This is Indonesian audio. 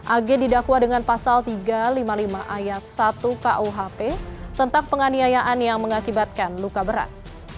ag didakwa dengan pasal tiga ratus lima puluh lima ayat satu kuhp tentang penganiayaan yang mengakibatkan luka berat